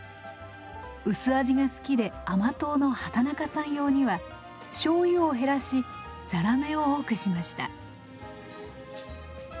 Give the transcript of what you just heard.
薄味が好きで甘党の畠中さん用には醤油を減らしざらめを多くしました。